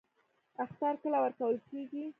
اخطار کله ورکول کیږي؟